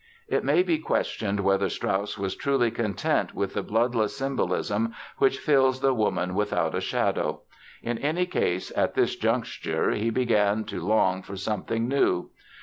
It may be questioned whether Strauss was truly content with the bloodless symbolism which fills The Woman Without a Shadow. In any case at this juncture he began to long for something new.